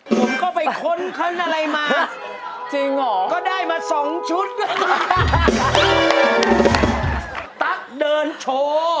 ตั๊กเต็มโชว์